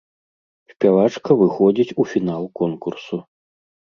Спявачка выходзіць у фінал конкурсу.